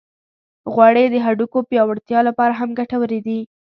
غوړې د هډوکو پیاوړتیا لپاره هم ګټورې دي.